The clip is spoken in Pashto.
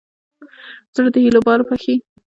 زړه د هيلو پار بښي.